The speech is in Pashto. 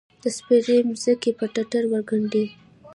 د سپیرې مځکې، پر ټټر ورګنډې